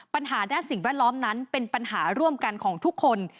ปัญหาด้านสิ่งแวดล้อมนั้นเป็นปัญหาร่วมกันของทุกคน